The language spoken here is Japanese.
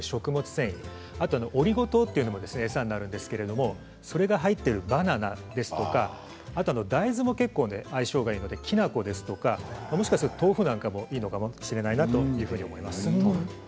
繊維かとオリゴ糖というのも餌になるんですけれどもそれが入っているバナナですとか大豆も結構相性がいいのできな粉ですとかもしかすると豆腐もいいのかもしれないな